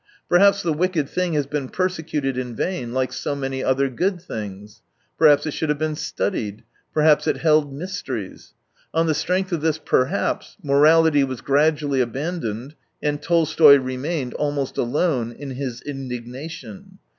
i66 Perhaps the wicked thing has been per secuted in vain, like so many other good things. Perhaps it should have been studied, perhaps it held mysteries. ... On the strength of this " perhaps " morality was gradually abandoned, and Tolstoy remained almost alone in his indignation.